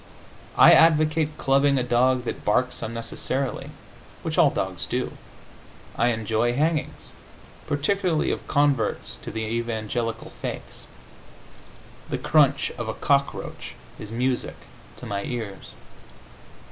I advocate clubbing a dog that barks unnecessarily, which all dogs do. I enjoy hangings, particularly of converts to the evangelical faiths. The crunch of a cockroach is music to my ears.